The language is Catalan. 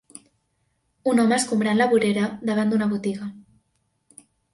Un home escombrant la vorera davant d'una botiga.